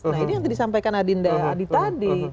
nah ini yang tadi disampaikan adinda adi tadi